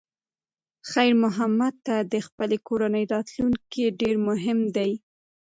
خیر محمد ته د خپلې کورنۍ راتلونکی ډېر مهم دی.